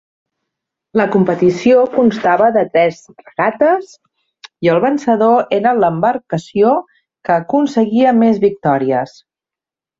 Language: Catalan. La competició constava de tres regates i el vencedor era l'embarcació que aconseguia més victòries.